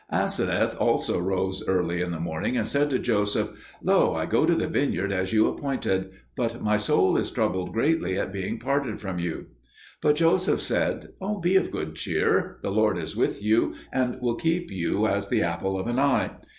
Aseneth also arose early in the morning and said to Joseph, "Lo, I go to the vineyard as you appointed; but my soul is troubled greatly at being parted from you." But Joseph said, "Be of good cheer; the Lord is with you and will keep you as the apple of an eye.